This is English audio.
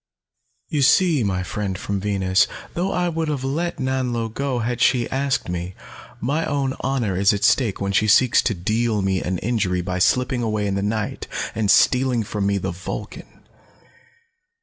"You see, my friend from Venus, though I would have let Nanlo go had she asked me, my own honor is at stake when she seeks to deal me an injury by slipping away in the night, and stealing from me the Vulcan.